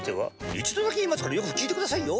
一度だけ言いますからよく聞いてくださいよ。